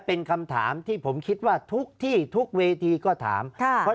เป็นคำถามที่ผมคิดว่าทุกที่ทุกเวทีก็ถามค่ะเพราะ